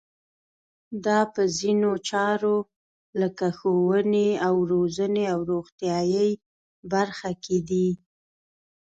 دا په ځینو چارو لکه ښوونې او روزنې او روغتیایي برخه کې دي.